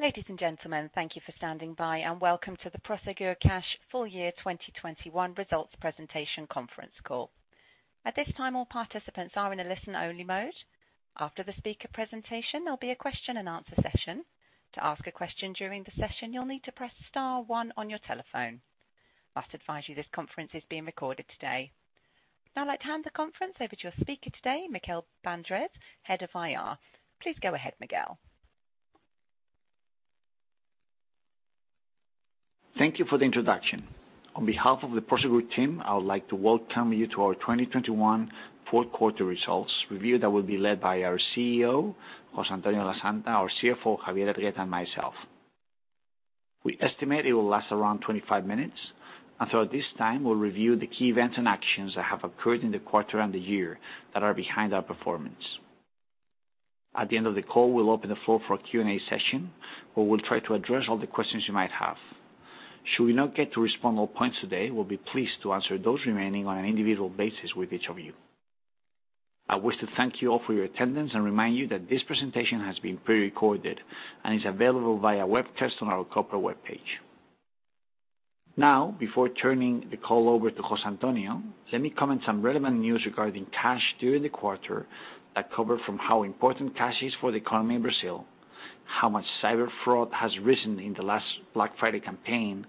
Ladies and gentlemen, thank you for standing by, and welcome to the Prosegur Cash full-year 2021 results presentation conference call. At this time, all participants are in a listen-only mode. After the speaker presentation, there'll be a question and answer session. To ask a question during the session, you'll need to press star one on your telephone. I must advise you this conference is being recorded today. I'd like to hand the conference over to your speaker today, Miguel Bandrés, Head of IR. Please go ahead, Miguel. Thank you for the introduction. On behalf of the Prosegur team, I would like to welcome you to our 2021 Q4 results review that will be led by our CEO, José Antonio Lasanta, our CFO, Javier Hergueta, and myself. We estimate it will last around 25 minutes, and throughout this time, we'll review the key events and actions that have occurred in the quarter and the year that are behind our performance. At the end of the call, we'll open the floor for a Q&A session, where we'll try to address all the questions you might have. Should we not get to respond all points today, we'll be pleased to answer those remaining on an individual basis with each of you. I wish to thank you all for your attendance and remind you that this presentation has been prerecorded and is available via webcast on our corporate webpage. Now, before turning the call over to José Antonio, let me comment some relevant news regarding cash during the quarter that cover from how important cash is for the economy in Brazil, how much cyber fraud has risen in the last Black Friday campaign,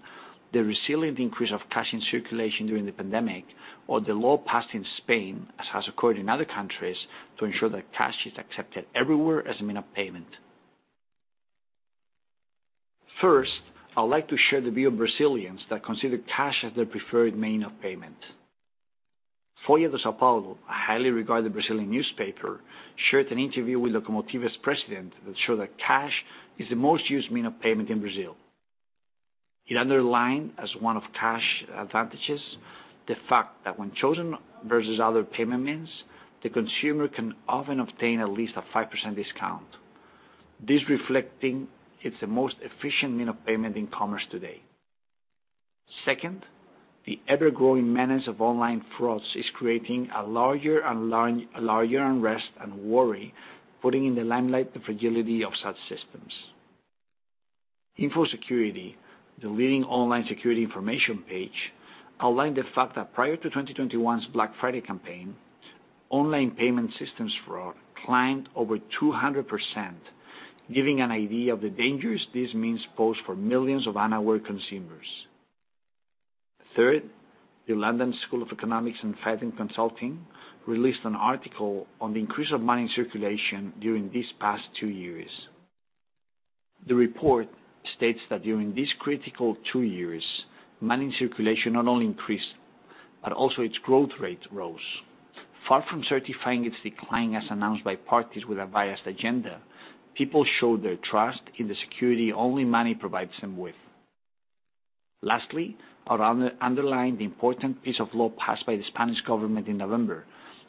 the resilient increase of cash in circulation during the pandemic, or the law passed in Spain, as has occurred in other countries, to ensure that cash is accepted everywhere as a means of payment. First, I would like to share the view of Brazilians that consider cash as their preferred means of payment. Folha de S.Paulo, a highly regarded Brazilian newspaper, shared an interview with Locomotiva's president that show that cash is the most used means of payment in Brazil. It underlined as one of cash advantages the fact that when chosen versus other payment means, the consumer can often obtain at least a 5% discount. This reflecting it's the most efficient mean of payment in commerce today. Second, the ever-growing menace of online frauds is creating a larger unrest and worry, putting in the limelight the fragility of such systems. Infosecurity Magazine, the leading online security information page, outlined the fact that prior to 2021's Black Friday campaign, online payment systems fraud climbed over 200%, giving an idea of the dangers these means pose for millions of unaware consumers. Third, the London School of Economics and Feigen Consulting released an article on the increase of money in circulation during these past two years. The report states that during these critical two years, money in circulation not only increased, but also its growth rate rose. Far from certifying its decline as announced by parties with a biased agenda, people show their trust in the security only money provides them with. Lastly, underlined the important piece of law passed by the Spanish government in November,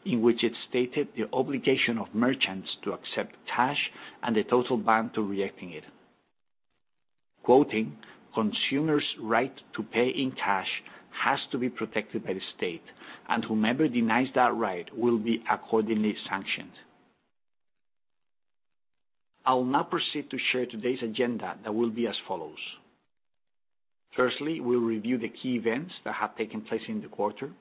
in which it stated the obligation of merchants to accept cash and the total ban on rejecting it. Quoting, "Consumer's right to pay in cash has to be protected by the state, and whomever denies that right will be accordingly sanctioned." I'll now proceed to share today's agenda that will be as follows. Firstly, we'll review the key events that have taken place in the quarter.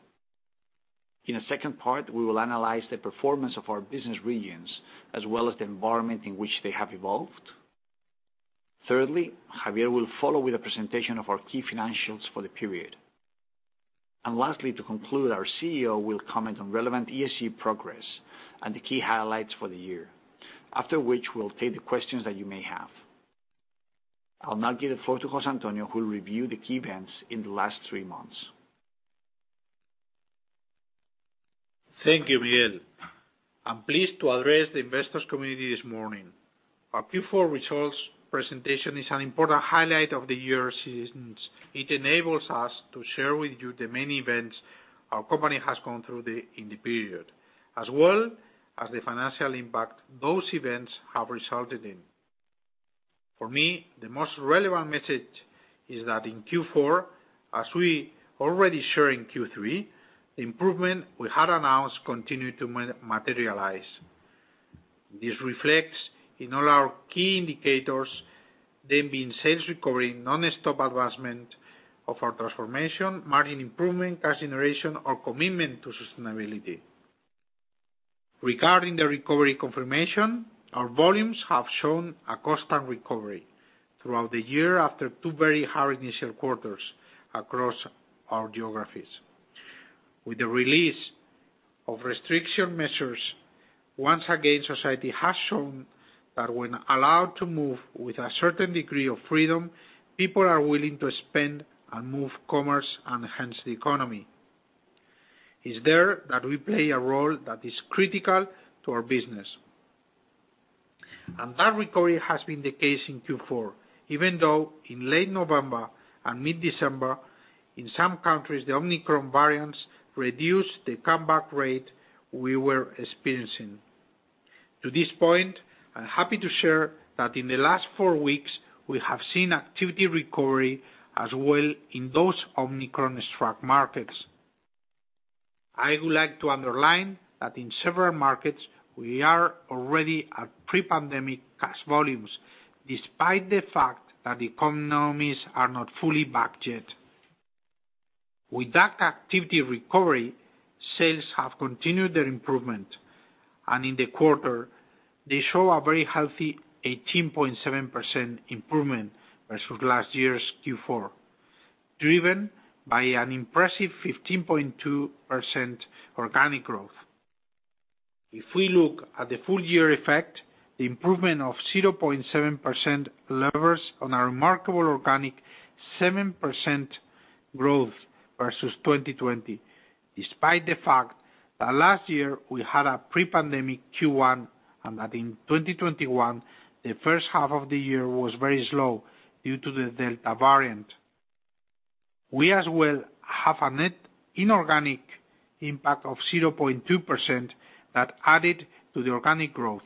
In a second part, we will analyze the performance of our business regions, as well as the environment in which they have evolved. Thirdly, Javier will follow with a presentation of our key financials for the period. Lastly, to conclude, our CEO will comment on relevant ESG progress and the key highlights for the year. After which, we'll take the questions that you may have. I'll now give the floor to José Antonio, who will review the key events in the last three months. Thank you, Miguel. I'm pleased to address the investors community this morning. Our Q4 results presentation is an important highlight of the year since it enables us to share with you the many events our company has gone through in the period, as well as the financial impact those events have resulted in. For me, the most relevant message is that in Q4, as we already share in Q3, the improvement we had announced continued to materialize. This reflects in all our key indicators, they being sales recovery, nonstop advancement of our transformation, margin improvement, cash generation, or commitment to sustainability. Regarding the recovery confirmation, our volumes have shown a constant recovery throughout the year after two very hard initial quarters across our geographies. With the release of restriction measures, once again, society has shown that when allowed to move with a certain degree of freedom, people are willing to spend and move commerce, and hence the economy. It's there that we play a role that is critical to our business. That recovery has been the case in Q4, even though in late November and mid-December, in some countries, the Omicron variants reduced the comeback rate we were experiencing. To this point, I'm happy to share that in the last four weeks, we have seen activity recovery as well in those Omicron-struck markets. I would like to underline that in several markets, we are already at pre-pandemic cash volumes, despite the fact that the economies are not fully back yet. With that activity recovery, sales have continued their improvement, and in the quarter they show a very healthy 18.7% improvement versus last year's Q4, driven by an impressive 15.2% organic growth. If we look at the full-year effect, the improvement of 0.7% leverages our remarkable organic 7% growth versus 2020, despite the fact that last year we had a pre-pandemic Q1, and that in 2021, the H1 of the year was very slow due to the Delta variant. We as well have a net inorganic impact of 0.2% that added to the organic growth,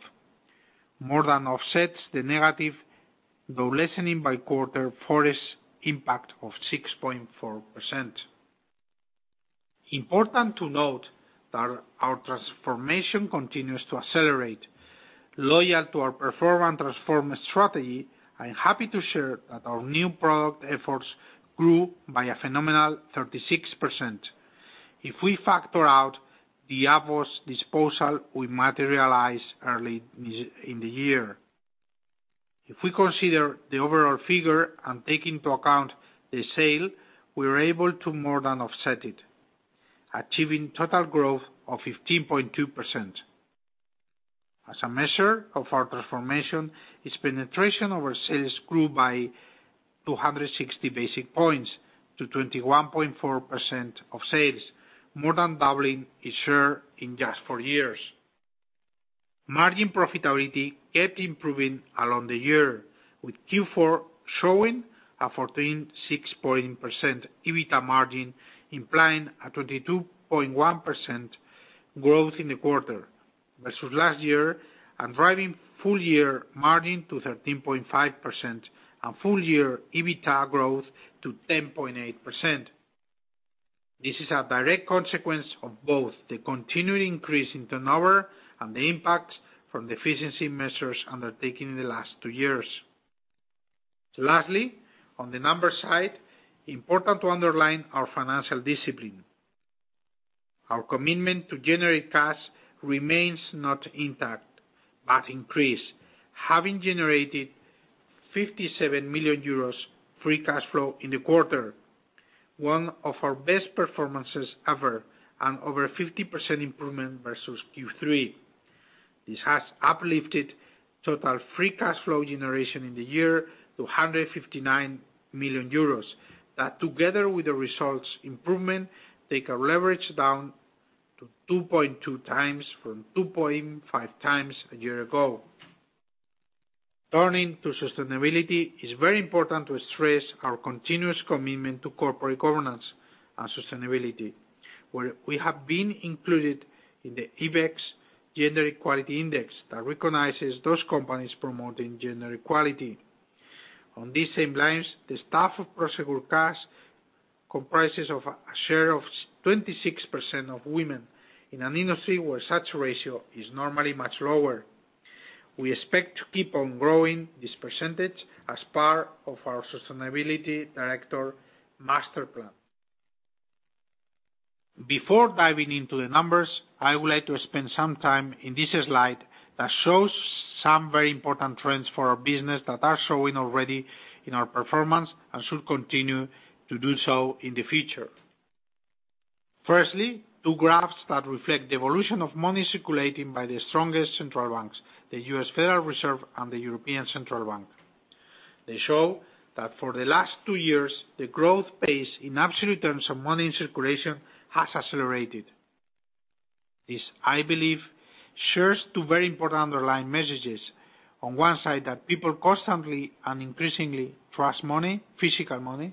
more than offsets the negative, though lessening by quarter, Forex impact of 6.4%. Important to note that our transformation continues to accelerate. Loyal to our perform and transform strategy, I am happy to share that our new product efforts grew by a phenomenal 36%. If we factor out the AVOS disposal, we materialized early this year. If we consider the overall figure and take into account the sale, we're able to more than offset it, achieving total growth of 15.2%. As a measure of our transformation, its penetration over sales grew by 260 basis points to 21.4% of sales, more than doubling its share in just four years. Margin profitability kept improving along the year, with Q4 showing a 14.6% EBITDA margin, implying a 22.1% growth in the quarter versus last year, and driving full-year margin to 13.5%, and full year EBITDA growth to 10.8%. This is a direct consequence of both the continuing increase in turnover and the impacts from the efficiency measures undertaken in the last two years. Lastly, on the numbers side, it is important to underline our financial discipline. Our commitment to generate cash remains intact, but increased, having generated 57 million euros free cash flow in the quarter, one of our best performances ever, and over 50% improvement versus Q3. This has uplifted total free cash flow generation in the year to 159 million euros, that together with the results improvement, take our leverage down to 2.2x from 2.5x a year ago. Turning to sustainability, it is very important to stress our continuous commitment to corporate governance and sustainability, where we have been included in the IBEX Gender Equality Index, that recognizes those companies promoting gender equality. On these same lines, the staff of Prosegur Cash comprises of a share of 26% of women in an industry where such ratio is normally much lower. We expect to keep on growing this percentage as part of our sustainability director master plan. Before diving into the numbers, I would like to spend some time in this slide that shows some very important trends for our business that are showing already in our performance, and should continue to do so in the future. Firstly, two graphs that reflect the evolution of money circulating by the strongest central banks, the U.S. Federal Reserve and the European Central Bank. They show that for the last two years, the growth pace in absolute terms of money in circulation has accelerated. This, I believe, shares two very important underlying messages. On one side, that people constantly and increasingly trust money, physical money,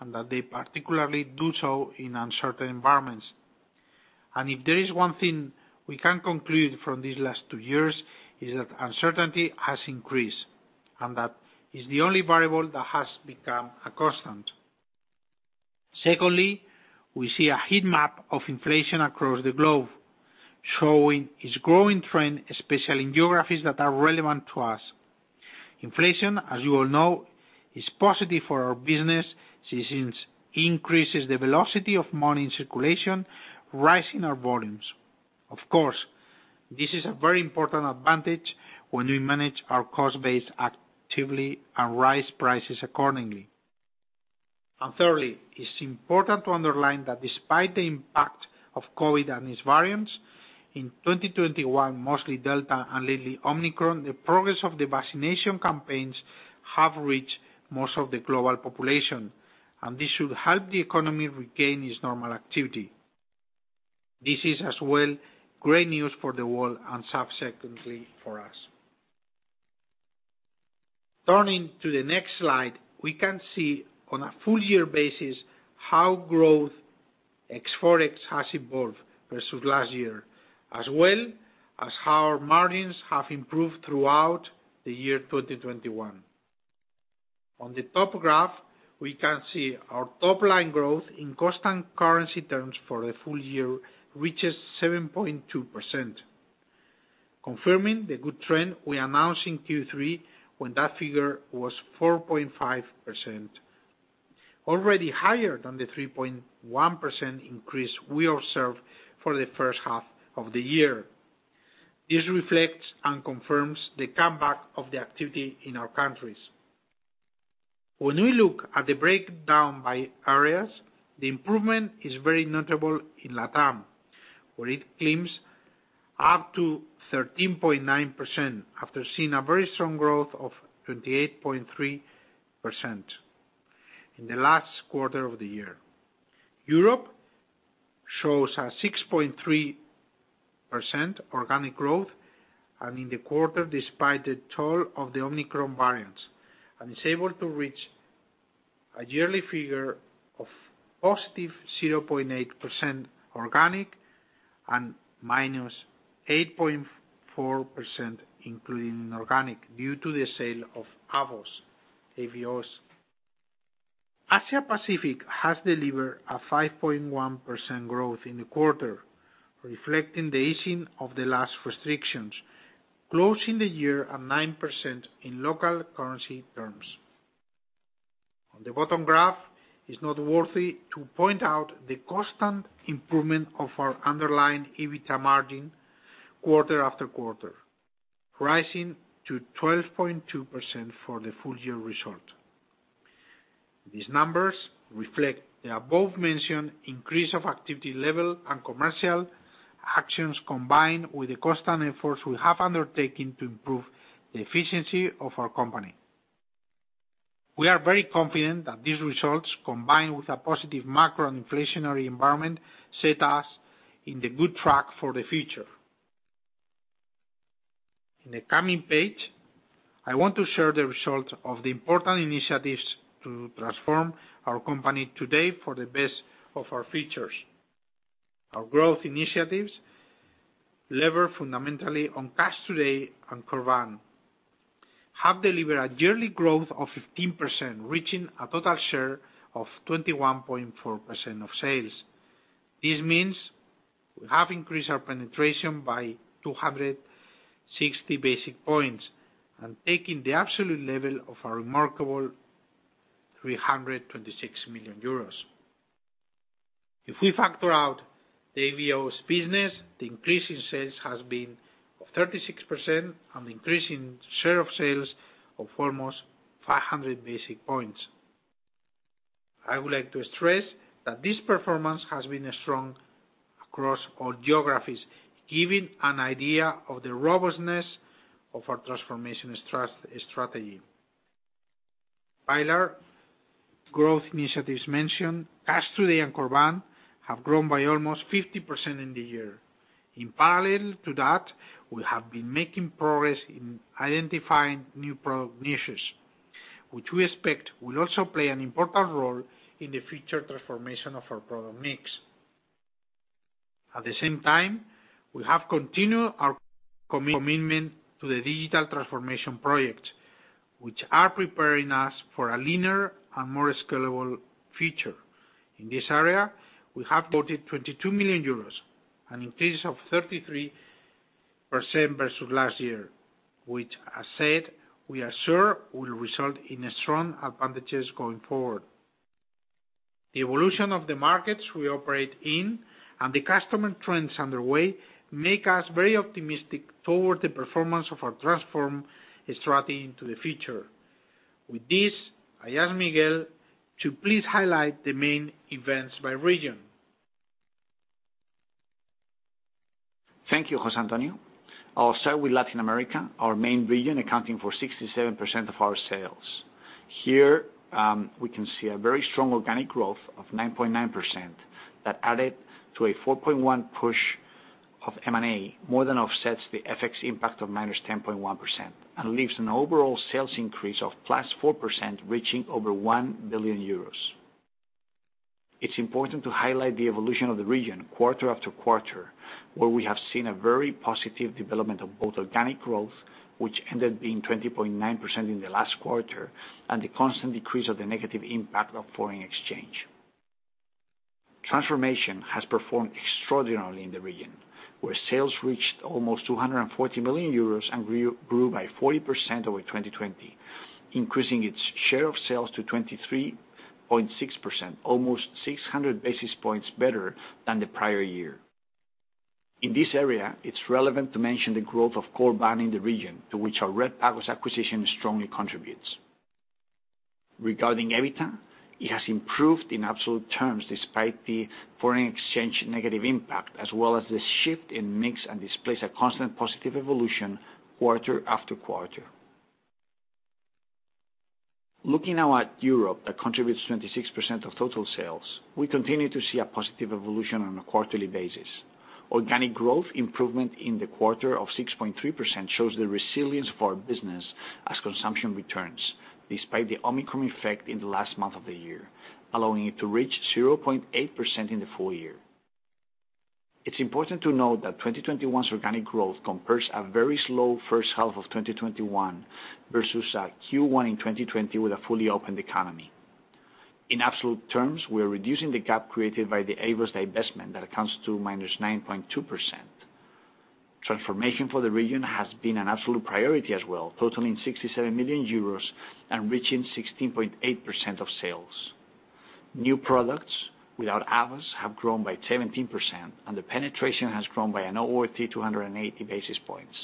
and that they particularly do so in uncertain environments. If there is one thing we can conclude from these last two years, is that uncertainty has increased, and that is the only variable that has become a constant. Secondly, we see a heat map of inflation across the globe, showing its growing trend, especially in geographies that are relevant to us. Inflation, as you all know, is positive for our business since increases the velocity of money in circulation, rising our volumes. Of course, this is a very important advantage when we manage our cost base actively and rise prices accordingly. Thirdly, it's important to underline that despite the impact of COVID-19 and its variants in 2021, mostly Delta and lately Omicron, the progress of the vaccination campaigns have reached most of the global population, and this should help the economy regain its normal activity. This is as well great news for the world and subsequently for us. Turning to the next slide, we can see on a full year basis how growth ex Forex has evolved versus last year, as well as how our margins have improved throughout the year 2021. On the top graph, we can see our top line growth in constant currency terms for the full-year reaches 7.2%. Confirming the good trend we announced in Q3, when that figure was 4.5%, already higher than the 3.1% increase we observed for the H1 of the year. This reflects and confirms the comeback of the activity in our countries. When we look at the breakdown by areas, the improvement is very notable in Latam, where it climbs up to 13.9% after seeing a very strong growth of 28.3% in the last quarter of the year. Europe shows a 6.3% organic growth and in the quarter, despite the toll of the Omicron variants, and is able to reach a yearly figure of positive 0.8% organic and -8.4%, inorganic, due to the sale of AVOS. Asia-Pacific has delivered a 5.1% growth in the quarter, reflecting the easing of the last restrictions, closing the year at 9% in local currency terms. On the bottom graph, it's noteworthy to point out the constant improvement of our underlying EBITA margin quarter after quarter, rising to 12.2% for the full-year result. These numbers reflect the above-mentioned increase of activity level and commercial actions combined with the constant efforts we have undertaken to improve the efficiency of our company. We are very confident that these results, combined with a positive macro and inflationary environment, set us on the good track for the future. In the coming page, I want to share the results of the important initiatives to transform our company today for the best of our futures. Our growth initiatives rely fundamentally on Cash Today and Corban, have delivered a yearly growth of 15%, reaching a total share of 21.4% of sales. This means we have increased our penetration by 260 basis points, and taking the absolute level of our remarkable 326 million euros. If we factor out the AVOS business, the increase in sales has been of 36% and increase in share of sales of almost 500 basis points. I would like to stress that this performance has been strong across all geographies, giving an idea of the robustness of our transformation strategy. Pillar growth initiatives mentioned, Cash Today and Corban, have grown by almost 50% in the year. In parallel to that, we have been making progress in identifying new product niches, which we expect will also play an important role in the future transformation of our product mix. At the same time, we have continued our commitment to the digital transformation projects, which are preparing us for a leaner and more scalable future. In this area, we have quoted 22 million euros, an increase of 33% versus last year, which as said, we are sure will result in strong advantages going forward. The evolution of the markets we operate in and the customer trends underway make us very optimistic toward the performance of our transformation strategy into the future. With this, I ask Miguel to please highlight the main events by region. Thank you, José Antonio. I'll start with Latin America, our main region, accounting for 67% of our sales. Here, we can see a very strong organic growth of 9.9% that added to a 4.1% push of M&A more than offsets the FX impact of -10.1% and leaves an overall sales increase of +4%, reaching over 1 billion euros. It's important to highlight the evolution of the region quarter after quarter, where we have seen a very positive development of both organic growth, which ended being 20.9% in the last quarter, and the constant decrease of the negative impact of foreign exchange. Transformation has performed extraordinarily in the region, where sales reached almost 240 million euros and grew by 40% over 2020, increasing its share of sales to 23.6%, almost 600 basis points better than the prior year. In this area, it's relevant to mention the growth of Corban in the region to which our Redpagos acquisition strongly contributes. Regarding EBITDA, it has improved in absolute terms, despite the foreign exchange negative impact, as well as the shift in mix and displays a constant positive evolution quarter after quarter. Looking now at Europe, that contributes 26% of total sales, we continue to see a positive evolution on a quarterly basis. Organic growth improvement in the quarter of 6.3% shows the resilience of our business as consumption returns despite the Omicron effect in the last month of the year, allowing it to reach 0.8% in the full-year. It's important to note that 2021's organic growth compares a very slow H1 of 2021 versus Q1 in 2020 with a fully opened economy. In absolute terms, we're reducing the gap created by the AVOS divestment that accounts to -9.2%. Transformation for the region has been an absolute priority as well, totaling 67 million euros and reaching 16.8% of sales. New products without AVOS have grown by 17%, and the penetration has grown by over 280 basis points.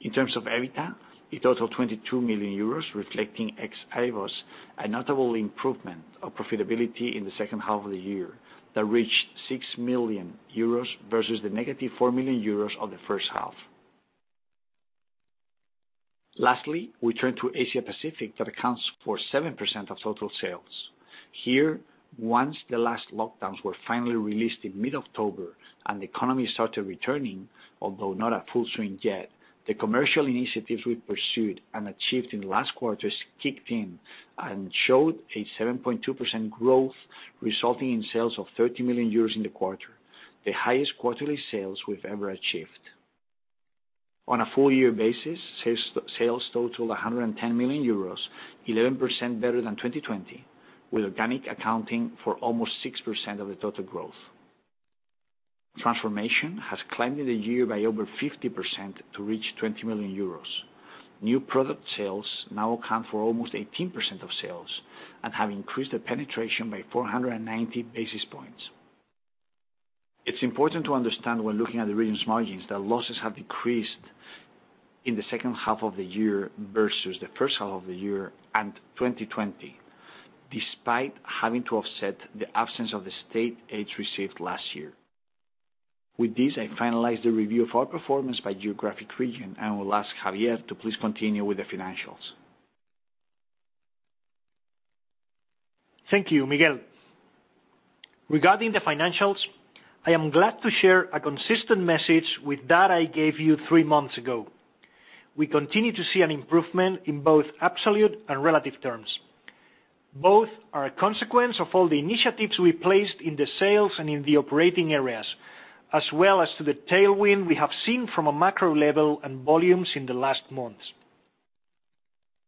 In terms of EBITDA, it totaled 22 million euros, reflecting ex AVOS, a notable improvement of profitability in the second half of the year that reached 6 million euros versus the -4 million euros of the first half. Lastly, we turn to Asia-Pacific that accounts for 7% of total sales. Here, once the last lockdowns were finally released in mid-October and the economy started returning, although not at full swing yet, the commercial initiatives we pursued and achieved in the last quarters kicked in and showed a 7.2% growth, resulting in sales of 30 million euros in the quarter, the highest quarterly sales we've ever achieved. On a full-year basis, sales totaled 110 million euros, 11% better than 2020, with organic accounting for almost 6% of the total growth. Transformation has climbed in the year by over 50% to reach 20 million euros. New product sales now account for almost 18% of sales and have increased the penetration by 490 basis points. It's important to understand when looking at the region's margins, that losses have decreased in the second half of the year versus the first half of the year and 2020, despite having to offset the absence of the state aids received last year. With this, I finalize the review of our performance by geographic region and will ask Javier to please continue with the financials. Thank you, Miguel. Regarding the financials, I am glad to share a consistent message with that I gave you three months ago. We continue to see an improvement in both absolute and relative terms. Both are a consequence of all the initiatives we placed in the sales and in the operating areas, as well as to the tailwind we have seen from a macro level and volumes in the last months.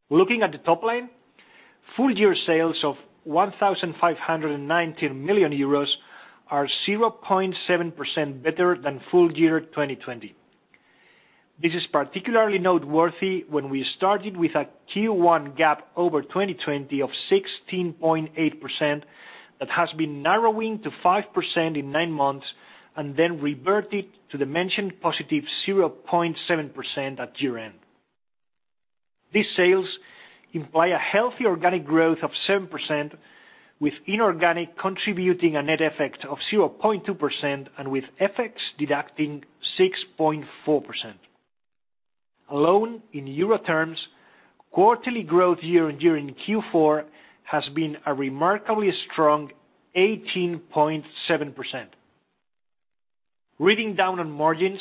Looking at the top line, full-year sales of 1,519 million euros are 0.7% better than full year 2020. This is particularly noteworthy when we started with a Q1 gap over 2020 of 16.8% that has been narrowing to 5% in 9 months and then reverted to the mentioned positive 0.7% at year-end. These sales imply a healthy organic growth of 7% with inorganic contributing a net effect of 0.2% and with FX deducting 6.4%. All in euro terms, quarterly growth year-on-year in Q4 has been a remarkably strong 18.7%. Reading down on margins,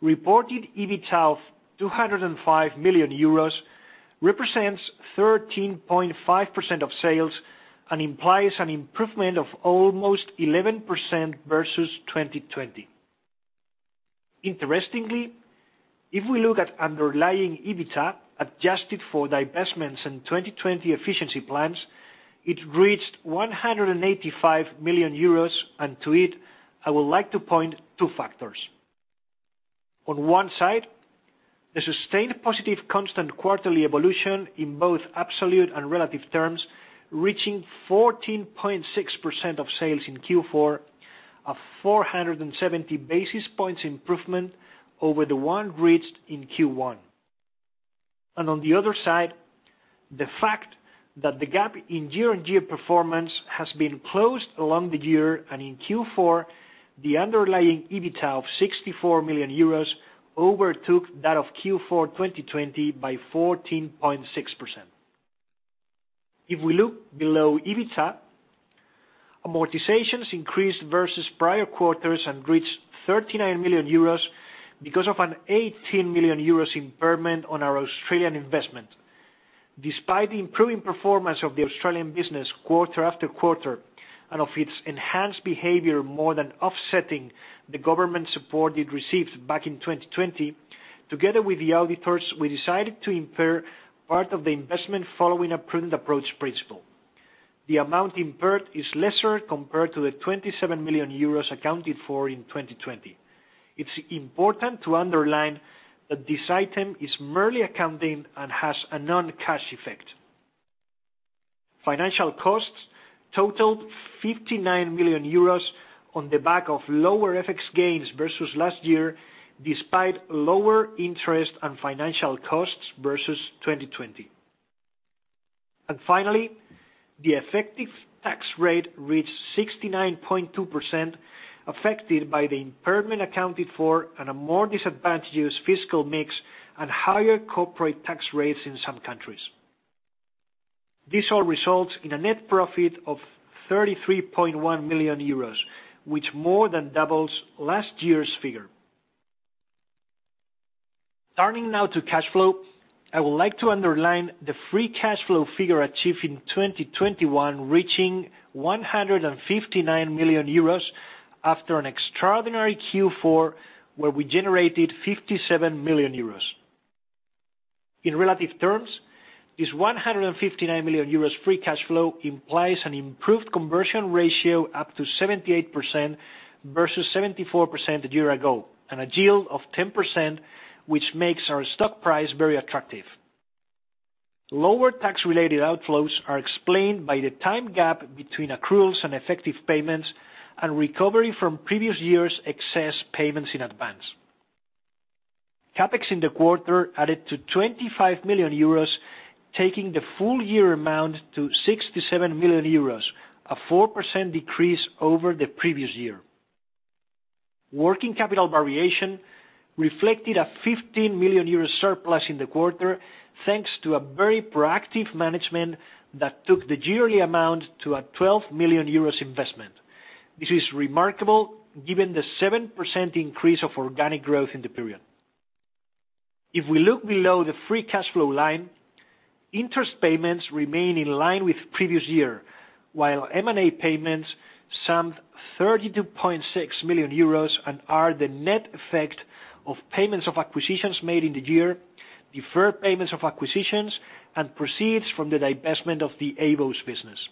reported EBIT of 205 million euros represents 13.5% of sales and implies an improvement of almost 11% versus 2020. Interestingly, if we look at underlying EBITA, adjusted for divestments in 2020 efficiency plans, it reached 185 million euros, and to it, I would like to point to two factors. On one side, the sustained positive constant quarterly evolution in both absolute and relative terms, reaching 14.6% of sales in Q4, a 470 basis points improvement over the one reached in Q1. On the other side, the fact that the gap in year-on-year performance has been closed along the year and in Q4, the underlying EBITA of 64 million euros overtook that of Q4 2020 by 14.6%. If we look below EBITA, amortizations increased versus prior quarters and reached 39 million euros because of an 18 million euros impairment on our Australian investment. Despite the improving performance of the Australian business quarter after quarter and of its enhanced behavior more than offsetting the government support it received back in 2020, together with the auditors, we decided to impair part of the investment following a prudent approach principle. The amount impaired is lesser compared to the 27 million euros accounted for in 2020. It's important to underline that this item is merely accounting and has a non-cash effect. Financial costs totaled 59 million euros on the back of lower FX gains versus last year, despite lower interest and financial costs versus 2020. Finally, the effective tax rate reached 69.2% affected by the impairment accounted for and a more disadvantageous fiscal mix and higher corporate tax rates in some countries. This all results in a net profit of 33.1 million euros, which more than doubles last year's figure. Turning now to cash flow, I would like to underline the free cash flow figure achieved in 2021, reaching 159 million euros after an extraordinary Q4, where we generated 57 million euros. In relative terms, this 159 million euros free cash flow implies an improved conversion ratio up to 78% versus 74% a year ago, and a yield of 10%, which makes our stock price very attractive. Lower tax-related outflows are explained by the time gap between accruals and effective payments and recovery from previous years' excess payments in advance. CapEx in the quarter added to 25 million euros, taking the full-year amount to 67 million euros, a 4% decrease over the previous year. Working capital variation reflected a 15 million euro surplus in the quarter, thanks to a very proactive management that took the yearly amount to a 12 million euros investment. This is remarkable given the 7% increase of organic growth in the period. If we look below the free cash flow line, interest payments remain in line with previous year, while M&A payments summed 32.6 million euros and are the net effect of payments of acquisitions made in the year, deferred payments of acquisitions, and proceeds from the divestment of the AVOS business.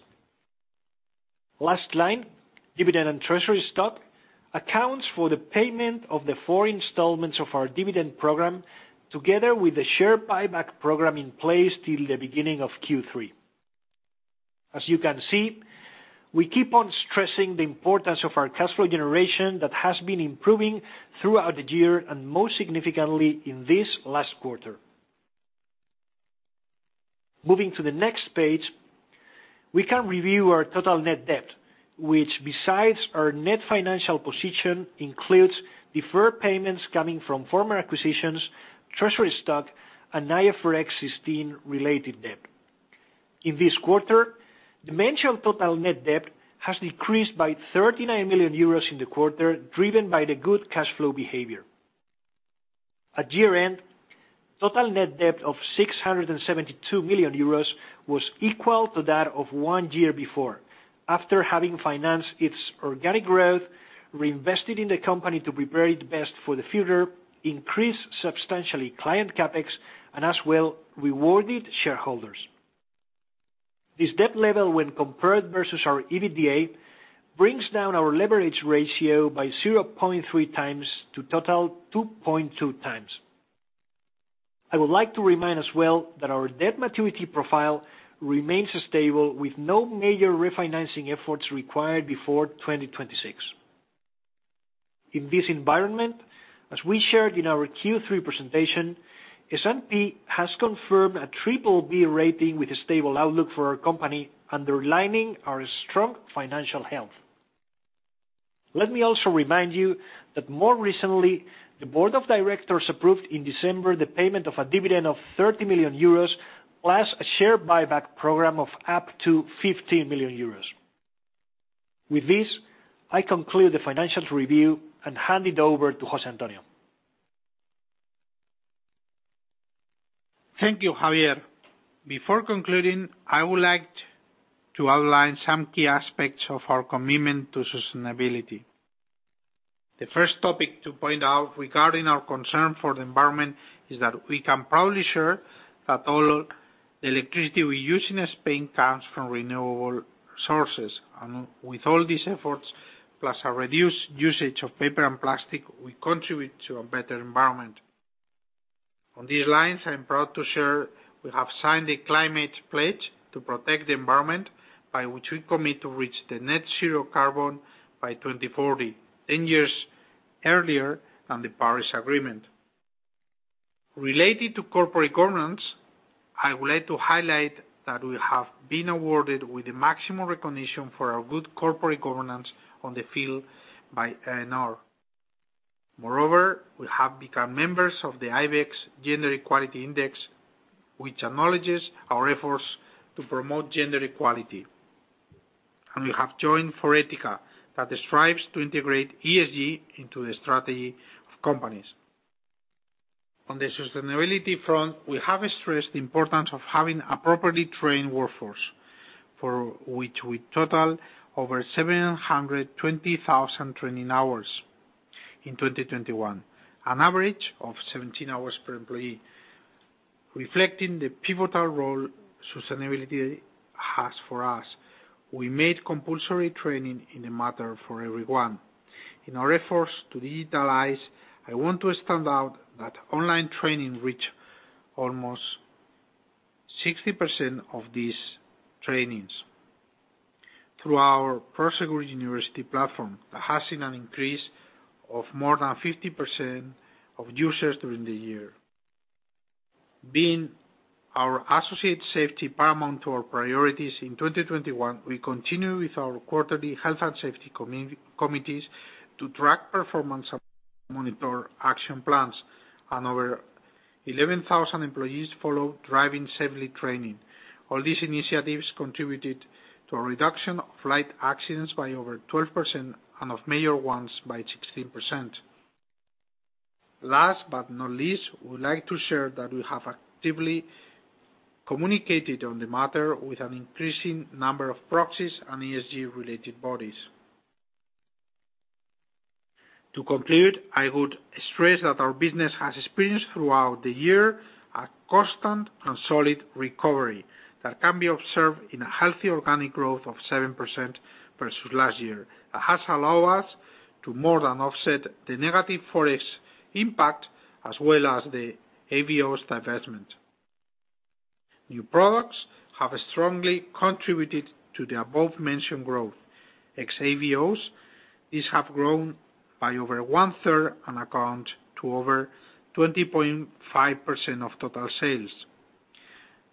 Last line, dividend and treasury stock, accounts for the payment of the four installments of our dividend program, together with the share buyback program in place till the beginning of Q3. As you can see, we keep on stressing the importance of our cash flow generation that has been improving throughout the year and most significantly in this last quarter. Moving to the next page, we can review our total net debt, which besides our net financial position, includes deferred payments coming from former acquisitions, treasury stock, and IFRS 16 related debt. In this quarter, the mentioned total net debt has decreased by 39 million euros in the quarter, driven by the good cash flow behavior. At year-end, total net debt of 672 million euros was equal to that of one year before. After having financed its organic growth, reinvested in the company to prepare it best for the future, increased substantially client CapEx, and as well, rewarded shareholders. This debt level, when compared versus our EBITDA, brings down our leverage ratio by 0.3x to total 2.2x. I would like to remind as well that our debt maturity profile remains stable with no major refinancing efforts required before 2026. In this environment, as we shared in our Q3 presentation, S&P has confirmed a BBB rating with a stable outlook for our company, underlining our strong financial health. Let me also remind you that more recently, the board of directors approved in December the payment of a dividend of 30 million euros, plus a share buyback program of up to 50 million euros. With this, I conclude the financial review and hand it over to José Antonio. Thank you, Javier. Before concluding, I would like to outline some key aspects of our commitment to sustainability. The first topic to point out regarding our concern for the environment is that we can proudly share that all the electricity we use in Spain comes from renewable sources. With all these efforts, plus our reduced usage of paper and plastic, we contribute to a better environment. On these lines, I am proud to share we have signed a climate pledge to protect the environment, by which we commit to reach the net zero carbon by 2040, ten years earlier than the Paris Agreement. Related to corporate governance, I would like to highlight that we have been awarded with the maximum recognition for our good corporate governance on the field by AENOR. Moreover, we have become members of the IBEX Gender Equality Index, which acknowledges our efforts to promote gender equality. We have joined Forética, that strives to integrate ESG into the strategy of companies. On the sustainability front, we have stressed the importance of having a properly trained workforce, for which we total over 720,000 training hours in 2021, an average of 17 hours per employee. Reflecting the pivotal role sustainability has for us, we made compulsory training in the matter for everyone. In our efforts to digitalize, I want to stand out that online training reach almost 60% of these trainings through our Prosegur University platform that has seen an increase of more than 50% of users during the year. Making our associates' safety paramount to our priorities in 2021, we continue with our quarterly health and safety committees to track performance and monitor action plans, and over 11,000 employees follow driving safety training. All these initiatives contributed to a reduction of light accidents by over 12% and of major ones by 16%. Last but not least, we would like to share that we have actively communicated on the matter with an increasing number of proxies and ESG related bodies. To conclude, I would stress that our business has experienced throughout the year a constant and solid recovery that can be observed in a healthy organic growth of 7% versus last year. That has allowed us to more than offset the negative Forex impact as well as the AVOS divestment. New products have strongly contributed to the above mentioned growth. AVOS, these have grown by over one-third and account for over 20.5% of total sales.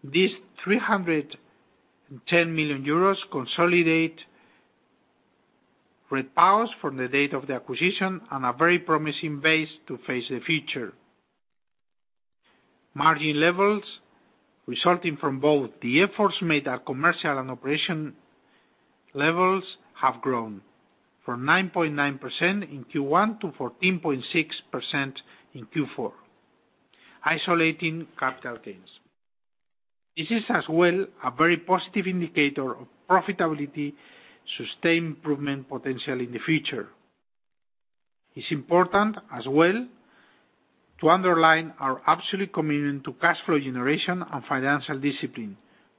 These EUR 310 million consolidate results from the date of the acquisition and a very promising base to face the future. Margin levels resulting from both the efforts made at commercial and operation levels have grown from 9.9% in Q1 to 14.6% in Q4, isolating capital gains. This is as well a very positive indicator of profitability, sustained improvement potential in the future. It's important as well to underline our absolute commitment to cash flow generation and financial discipline,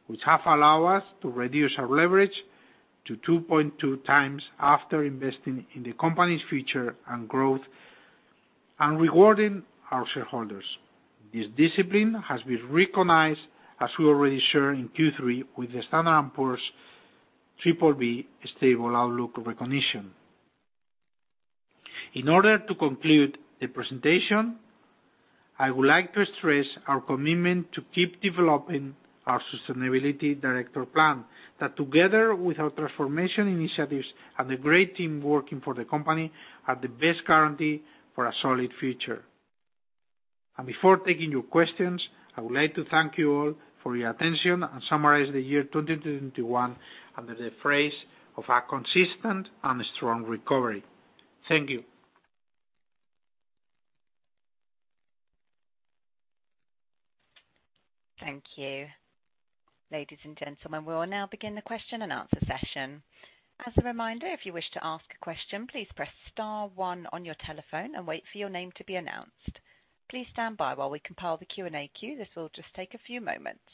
which have allowed us to reduce our leverage to 2.2x after investing in the company's future and growth and rewarding our shareholders. This discipline has been recognized, as we already shared in Q3, with the Standard & Poor's BBB stable outlook recognition. In order to conclude the presentation, I would like to stress our commitment to keep developing our sustainability director plan that together with our transformation initiatives and the great team working for the company, are the best guarantee for a solid future. Before taking your questions, I would like to thank you all for your attention and summarize the year 2021 under the phrase of a consistent and strong recovery. Thank you. Thank you. Ladies and gentlemen, we will now begin the question and answer session. As a reminder, if you wish to ask a question, please press star one on your telephone and wait for your name to be announced. Please stand by while we compile the Q&A queue. This will just take a few moments.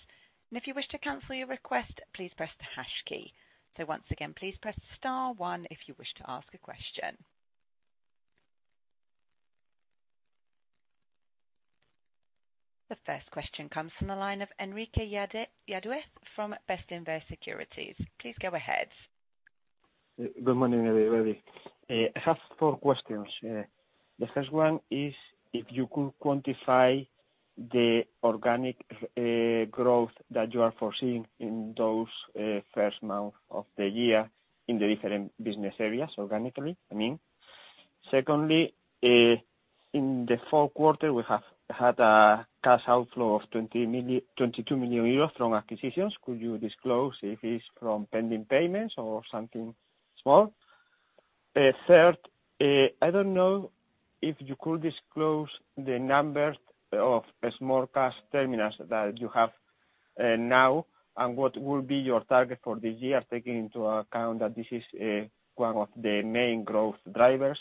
If you wish to cancel your request, please press the hash key. Once again, please press star one if you wish to ask a question. The first question comes from the line of Enrique Yagüe from Bestinver Securities. Please go ahead. Good morning, everybody. I have four questions. The first one is if you could quantify the organic growth that you are foreseeing in those first month of the year in the different business areas, organically, I mean. Secondly, in the fourth quarter, we have had a cash outflow of 22 million euros from acquisitions. Could you disclose if it's from pending payments or something small? Third, I don't know if you could disclose the numbers of small cash terminals that you have now and what will be your target for this year, taking into account that this is one of the main growth drivers.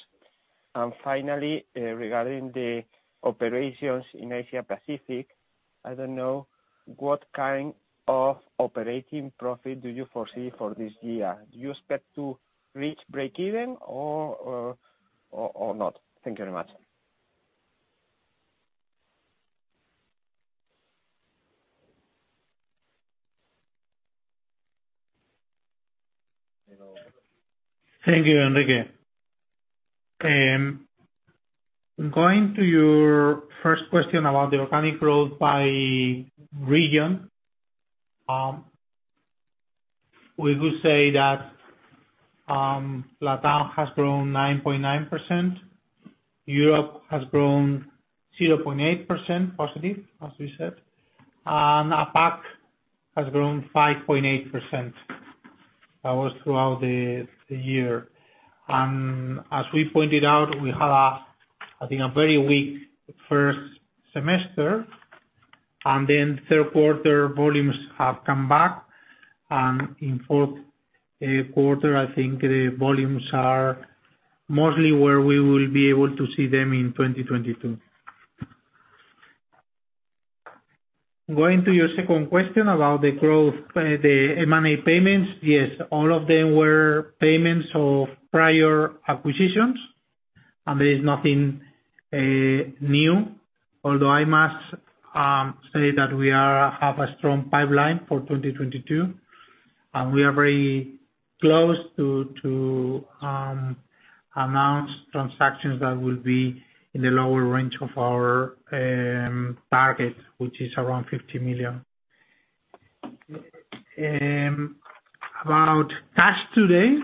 Finally, regarding the operations in Asia Pacific, I don't know what kind of operating profit do you foresee for this year. Do you expect to reach break even or not? Thank you very much. Thank you, Enrique. Going to your first question about the organic growth by region, we would say that LatAm has grown 9.9%, Europe has grown 0.8% positive, as we said, and APAC has grown 5.8%. That was throughout the year. We had, I think, a very weak first semester. Q3 volumes have come back. In fourth quarter, I think the volumes are mostly where we will be able to see them in 2022. Going to your second question about the growth, the M&A payments, yes, all of them were payments of prior acquisitions, and there is nothing new. Although I must say that we have a strong pipeline for 2022, and we are very close to announce transactions that will be in the lower range of our target, which is around 50 million. About Cash Today,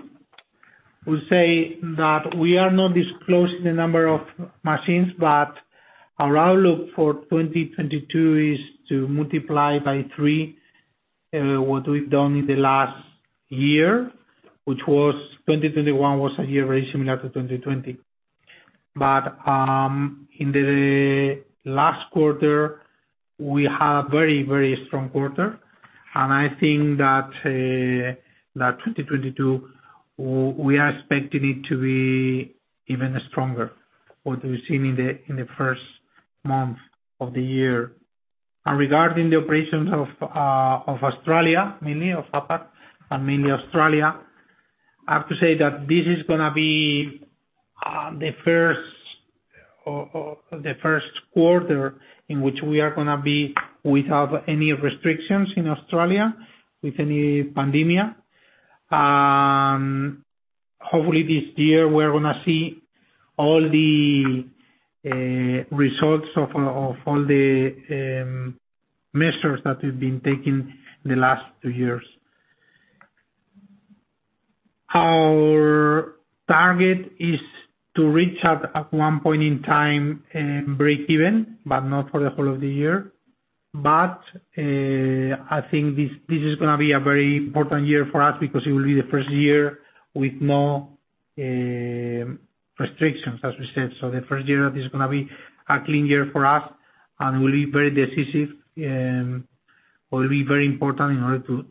we say that we are not disclosing the number of machines, but our outlook for 2022 is to multiply by three. What we've done in the last year, which was 2021, was a year very similar to 2020. In the last quarter, we had a very, very strong quarter. I think that 2022, we are expecting it to be even stronger what we've seen in the first month of the year. Regarding the operations of Australia, mainly of APAC and mainly Australia, I have to say that this is gonna be the first or the first quarter in which we are gonna be without any restrictions in Australia with any pandemic. Hopefully this year, we're gonna see all the results of all the measures that we've been taking the last two years. Our target is to reach out at one point in time, breakeven, but not for the whole of the year. I think this is gonna be a very important year for us because it will be the first year with no restrictions, as we said. The first year that is gonna be a clean year for us, and will be very decisive, or will be very important in order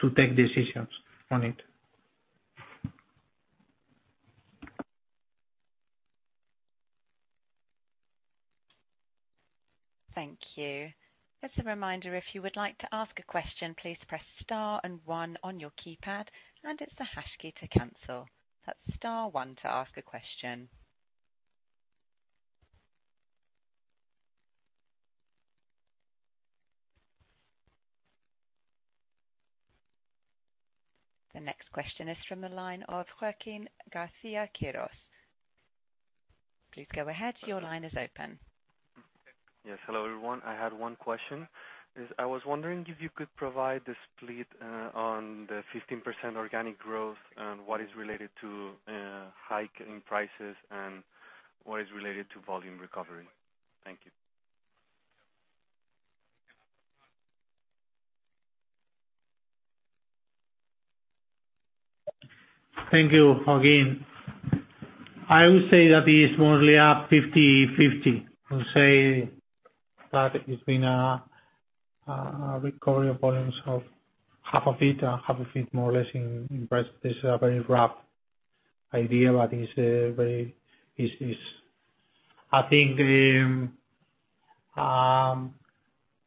to take decisions on it. Thank you. Just a reminder, if you would like to ask a question, please press star and one on your keypad, and it's the hash key to cancel. That's star one to ask a question. The next question is from the line of Joaquín García-Quirós. Please go ahead. Your line is open. Yes. Hello, everyone. I had one question. I was wondering if you could provide the split on the 15% organic growth, and what is related to hike in prices and what is related to volume recovery. Thank you. Thank you, Joaquín. I would say that is more or less a 50-50. I would say that it's been a recovery of volumes of half of it more or less in price. This is a very rough idea, but it's very. I think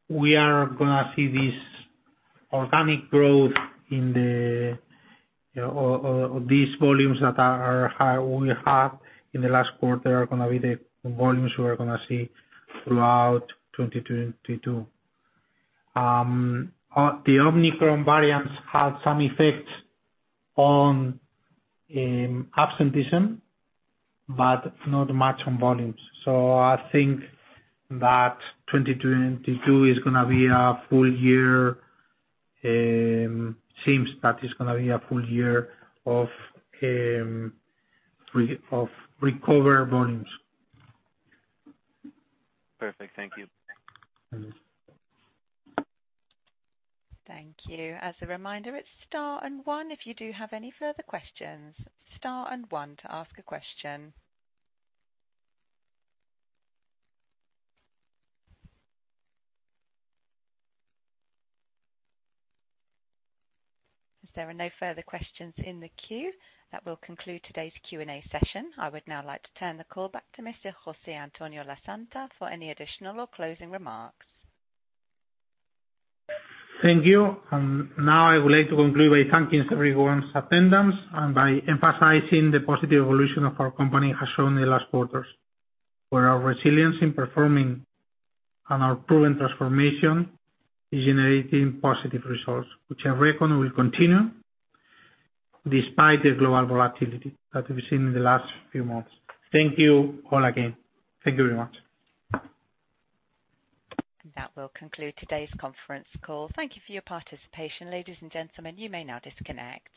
we are gonna see this organic growth in these volumes that are high we have in the last quarter are gonna be the volumes we are gonna see throughout 2022. The Omicron variant has some effect on absenteeism, but not much on volumes. I think that 2022 is gonna be a full year. It seems that it's gonna be a full-year of recovered volumes. Perfect. Thank you. Mm-hmm. Thank you. As a reminder, it's star and one if you do have any further questions. Star and one to ask a question. As there are no further questions in the queue, that will conclude today's Q&A session. I would now like to turn the call back to Mr. José Antonio Lasanta for any additional or closing remarks. Thank you. Now I would like to conclude by thanking everyone's attendance and by emphasizing the positive evolution of our company has shown in the last quarters, where our resilience in performing and our proven transformation is generating positive results, which I reckon will continue despite the global volatility that we've seen in the last few months. Thank you all again. Thank you very much. That will conclude today's conference call. Thank you for your participation. Ladies and gentlemen, you may now disconnect.